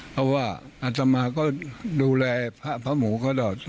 เพราะว่าอัตมาก็ดูแลพระหมูเขาตลอด